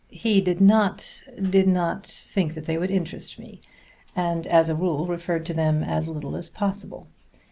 "He did not did not think they would interest me, and as a rule referred to them as little as possible.